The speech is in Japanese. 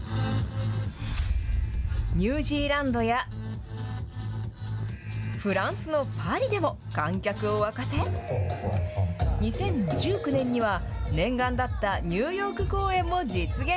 ニュージーランドや、フランスのパリでも観客を沸かせ、２０１９年には、念願だったニューヨーク公演も実現。